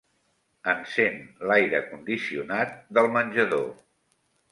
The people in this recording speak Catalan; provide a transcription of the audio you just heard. Encén l'aire condicionat del menjador.